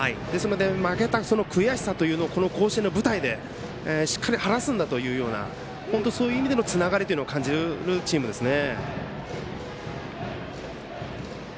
負けたその悔しさというのを甲子園の舞台でしっかり晴らすんだというような本当、そういう意味でのつながりを感じるチームですね。